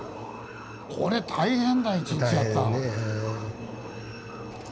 これ大変だ一日やってたら。